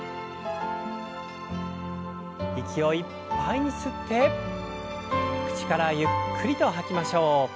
息をいっぱいに吸って口からゆっくりと吐きましょう。